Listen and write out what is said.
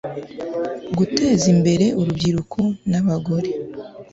guteza imbere urubyiruko n'abagore